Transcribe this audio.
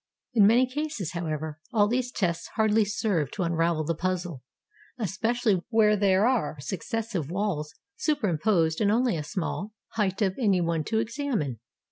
In many cases, however, all these tests hardly serve to imravel the puzzle; especially where there are successive walls superimposed and only a small height of any one to examine.